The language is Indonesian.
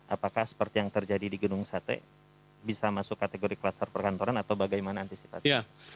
apakah seperti yang terjadi di gunung sate bisa masuk kategori kluster perkantoran atau bagaimana antisipasi